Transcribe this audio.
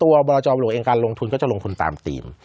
บรจอมหลวงเองการลงทุนก็จะลงทุนตามธีม